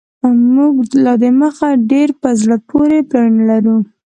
موږ لا دمخه ډیر په زړه پوري پلانونه لرو